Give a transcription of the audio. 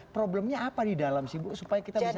problemnya apa di dalam sih bu supaya kita bisa